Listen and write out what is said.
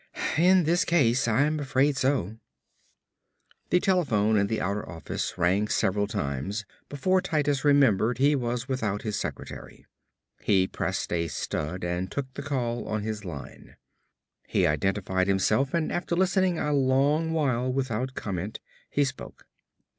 "In this case I'm afraid so." The telephone in the outer office rang several times before Titus remembered he was without his secretary. He pressed a stud and took the call on his line. He identified himself and after listening a long while without comment, he spoke.